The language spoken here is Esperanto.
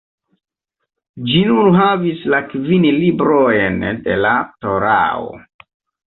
Ĝi nur havis la kvin librojn de la Torao.